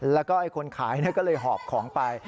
แล้วก็คนขายก็เลยหอบของไป